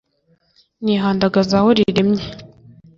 Nihandagaza aho riremye.